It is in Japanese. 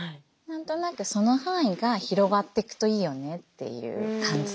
何となくその範囲が広がっていくといいよねっていう感じです。